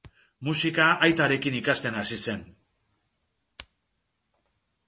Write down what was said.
Musika aitarekin ikasten hasi zen.